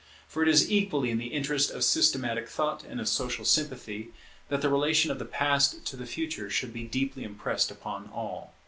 For it is equally in the interest of systematic thought and of social sympathy that the relation of the Past to the Future should be deeply impressed upon all.